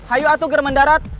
ayo atuh gerak mendarat